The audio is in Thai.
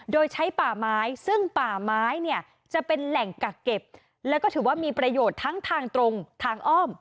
โดยใช้ป่าไม้ซึ่งป่าไม้เนี่ยจะเป็นแหล่งกักเก็บแล้วก็ถือว่ามีประโยชน์ทั้งทางตรงทางอ้อม